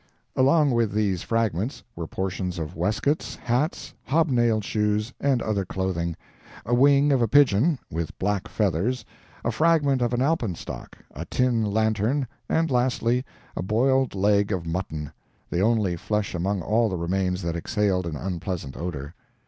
Along with these fragments were portions of waistcoats, hats, hobnailed shoes, and other clothing; a wing of a pigeon, with black feathers; a fragment of an alpenstock; a tin lantern; and lastly, a boiled leg of mutton, the only flesh among all the remains that exhaled an unpleasant odor.